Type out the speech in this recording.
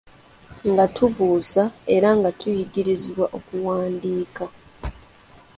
Nga tubuuza era nga tuyigirizibwa okuwandiika.